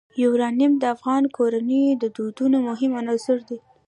یورانیم د افغان کورنیو د دودونو مهم عنصر دی.